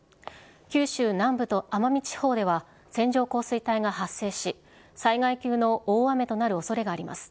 九州南部と奄美地方では、線状降水帯が発生し、災害級の大雨となるおそれがあります。